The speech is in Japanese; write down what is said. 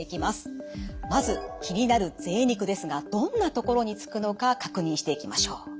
まず気になるぜい肉ですがどんなところにつくのか確認していきましょう。